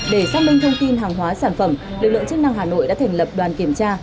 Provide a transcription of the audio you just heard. để xác minh thông tin hàng hóa sản phẩm lực lượng chức năng hà nội đã thành lập đoàn kiểm tra